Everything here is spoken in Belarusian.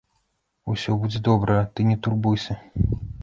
Усё будзе добра, ты не турбуйся.